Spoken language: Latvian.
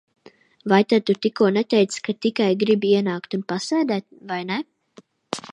Vai tad tu tikko neteici, ka tikai gribi ienākt un pasēdēt, vai ne?